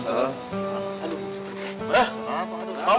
eh berjewit sama si neng